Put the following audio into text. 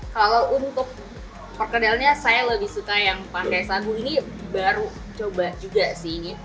kalau untuk perkedelnya saya lebih suka yang pakai sagu ini baru coba juga sih